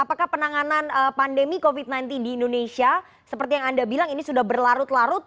apakah penanganan pandemi covid sembilan belas di indonesia seperti yang anda bilang ini sudah berlarut larut